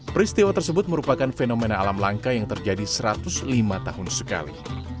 peristiwa tersebut merupakan fenomena alam langka yang terjadi satu ratus lima tahun sekali